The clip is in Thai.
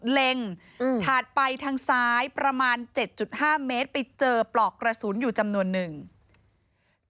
เล็งถาดไปทางซ้ายประมาณ๗๕เมตรไปเจอปลอกกระสุนอยู่จำนวนหนึ่ง